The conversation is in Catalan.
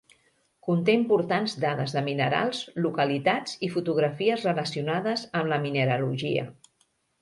Conté importants dades de minerals, localitats i fotografies relacionades amb la mineralogia.